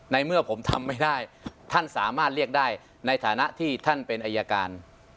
เมื่อผมทำไม่ได้ท่านสามารถเรียกได้ในฐานะที่ท่านเป็นอายการ